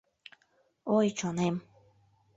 Ой, чонем...